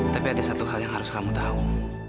tapi ada satu hal yang harus kamu tahu